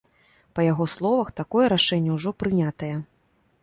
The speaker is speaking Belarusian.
Па яго словах, такое рашэнне ўжо прынятае.